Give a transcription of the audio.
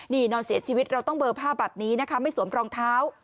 นี่นอนเสียชีวิตเราต้องเบอร์ภาพแบบนี้นะคะไม่สวมรองเท้า